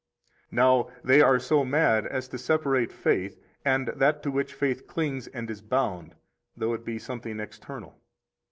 30 Now, they are so mad as to separate faith, and that to which faith clings and is bound, though it be something external.